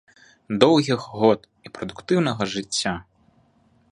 Доўгіх год і прадуктыўнага жыцця!